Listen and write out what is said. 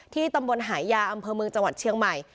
ตำบลหายาอำเภอเมืองจังหวัดเชียงใหม่